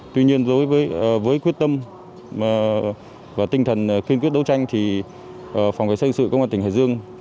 tuy nhiên với quyết tâm và tinh thần kiên quyết đấu tranh thì phòng vệ sinh sự công an tỉnh hải dương